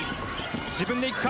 自分で行くか？